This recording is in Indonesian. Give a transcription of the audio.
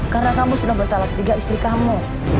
karena kamu sudah bertalak tiga istri kamu